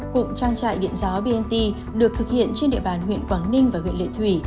cụm trang trại điện gió bnt được thực hiện trên địa bàn huyện quảng ninh và huyện lệ thủy